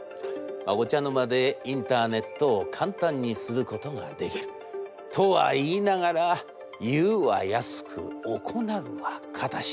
お茶の間でインターネットを簡単にすることができる。とは言いながら『言うは易く行うは難し』。